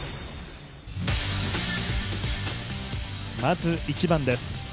まず１番です。